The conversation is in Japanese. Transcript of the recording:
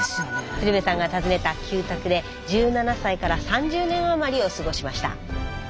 鶴瓶さんが訪ねた旧宅で１７歳から３０年あまりを過ごしました。